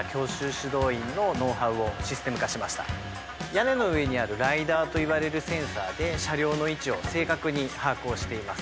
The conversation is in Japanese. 屋根の上にあるライダーといわれるセンサーで車両の位置を正確に把握をしています。